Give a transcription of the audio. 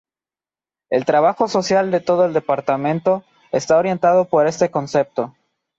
El trabajo social de todo el departamento está orientado por este concepto.